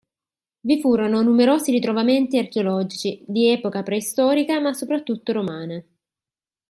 Vi furono numerosi ritrovamenti archeologici, di epoca preistorica ma soprattutto romana.